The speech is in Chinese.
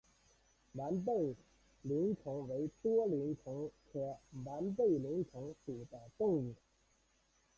完背鳞虫为多鳞虫科完背鳞虫属的动物。